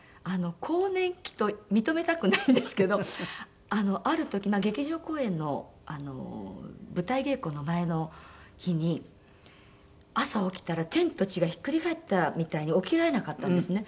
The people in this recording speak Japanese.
更年期と認めたくないんですけどある時劇場公演の舞台稽古の前の日に朝起きたら天と地がひっくり返ったみたいに起きられなかったんですね。